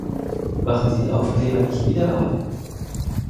Machen Sie die Aufkleber nicht wieder ab!